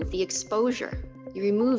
anda mengurangi pengeluarannya